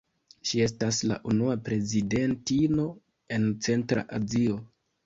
Ŝi estas la unua prezidentino en Centra Azio.